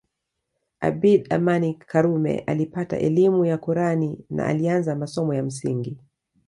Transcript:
Abeid Amani Karume alipata elimu ya Kurani na alianza masomo ya msingi